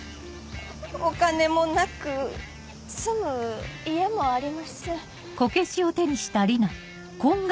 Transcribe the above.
お金もなく住む家もありません。